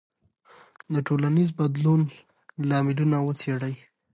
د ټولنیز بدلون لاملونه وڅېړئ.